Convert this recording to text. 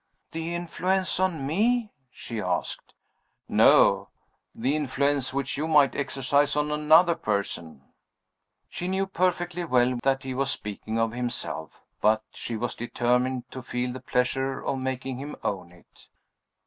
"The influence on Me?" she asked. "No. The influence which You might exercise on another person." She knew perfectly well that he was speaking of himself. But she was determined to feel the pleasure of making him own it.